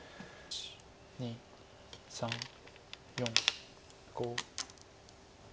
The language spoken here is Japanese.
２３４５。